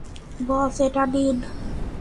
বস, এটা নিন।